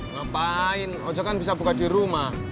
ngapain ojek kan bisa buka di rumah